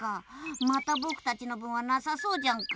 またぼくたちのぶんはなさそうじゃんか。